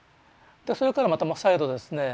それからまた再度ですね